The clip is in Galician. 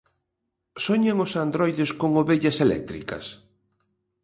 Soñan os androides con ovellas eléctricas?